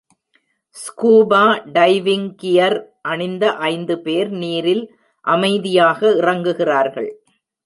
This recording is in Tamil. ஸ்கூபா டைவிங் கியர் அணிந்த ஐந்து பேர் நீரில் அமைதியாக இறங்குகிறார்கள்.